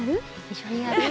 一緒にやる？